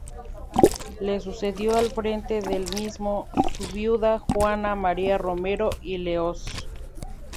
Le sucedió al frente del mismo, su viuda Juana María Romero y Leoz.